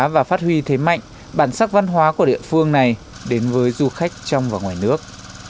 và phát huy thế mạnh bản sắc văn hóa của địa phương này đến với du khách trong và ngoài nước